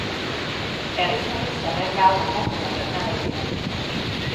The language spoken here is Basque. Herriz-herri zerrenda hau aldakorra gerta daiteke.